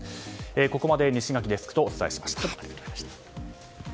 ここまで西垣デスクとお伝えしました。